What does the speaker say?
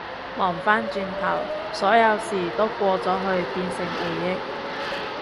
望返轉頭，所有事都過咗去變成回憶